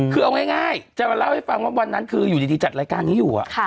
คือเอาง่ายจะมาเล่าให้ฟังว่าวันนั้นคืออยู่ดีจัดรายการนี้อยู่